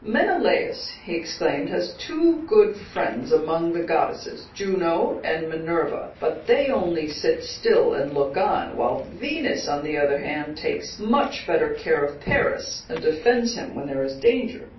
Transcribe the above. "'Menelaus,' he exclaimed, 'has two good friends among the goddesses, Juno and Minerva, but they only sit still and look on, while Venus on the other hand takes much better care of Paris, and defends him when he is in danger.